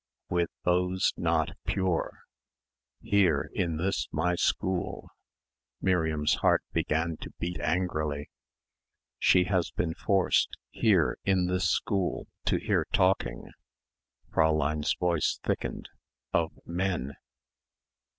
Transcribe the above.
"With those not pure." "Here, in this my school." Miriam's heart began to beat angrily. "She has been forced, here, in this school, to hear talking" Fräulein's voice thickened "of men...."